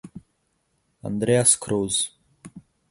Andreas Krause